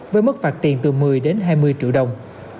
với mức phạt tiền từ một mươi đến hai mươi triệu đồng